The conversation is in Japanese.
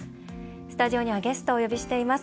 スタジオにはゲストをお呼びしています。